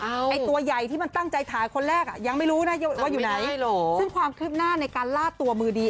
ไอ้ตัวใหญ่ที่มันตั้งใจถ่ายคนแรกอ่ะยังไม่รู้นะว่าอยู่ไหนไม่รู้ซึ่งความคืบหน้าในการลาดตัวมือดี